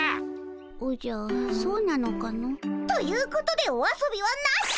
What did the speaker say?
おじゃそうなのかの。ということでお遊びはなし。